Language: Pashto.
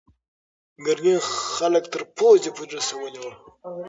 ګرګین خلک تر پوزې پورې رسولي وو.